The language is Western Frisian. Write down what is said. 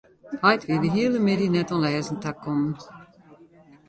Heit wie de hiele middei net oan lêzen takommen.